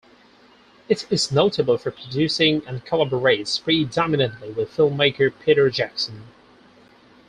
It is notable for producing and collaborates predominantly with filmmaker Peter Jackson.